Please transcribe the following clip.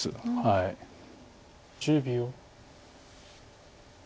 １０秒。